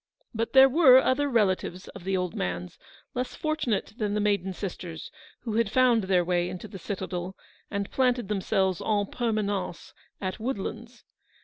But there were other relatives of the old man's,. less fortunate than the maiden sisters, who had found their way into the citadel, and planted themselves en permanence at Woodlands.